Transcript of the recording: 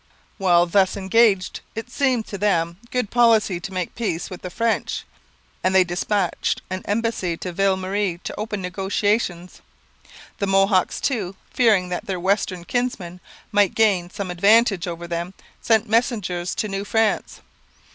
While thus engaged it seemed to them good policy to make peace with the French, and they dispatched an embassy to Ville Marie to open negotiations. The Mohawks, too, fearing that their western kinsmen might gain some advantage over them, sent messengers to New France.